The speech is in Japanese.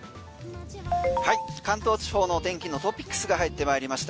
関東地方の天気のトピックスが入ってまいりました。